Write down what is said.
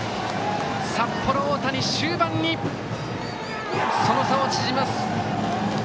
札幌大谷、終盤にその差を縮めます！